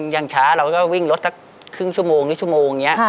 ยังช้าเราก็วิ่งรถสักครึ่งชั่วโมงนี่ชั่วโมงนี้